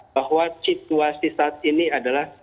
bahwa situasi saat ini adalah